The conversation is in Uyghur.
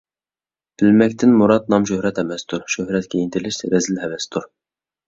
بىلمەكتىن مۇرات – نام - شۆھرەت ئەمەستۇر، شۆھرەتكە ئىنتىلىش رەزىل ھەۋەستۇر.